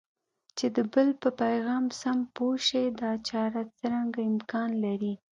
چې د بل په پیغام سم پوه شئ دا چاره څرنګه امکان لري؟